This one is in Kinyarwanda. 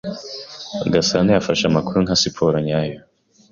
Gasana yafashe amakuru nka siporo nyayo.